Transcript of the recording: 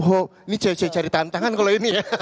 oh ini jaja cari tantangan kalau ini ya